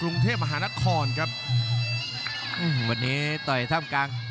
และอัพพิวัตรสอสมนึก